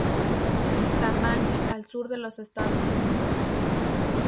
Tammany al sur de los Estados Unidos.